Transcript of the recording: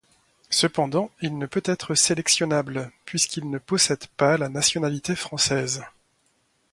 Cependant, il ne peut être sélectionnable, puisque il ne possède pas la nationalité française.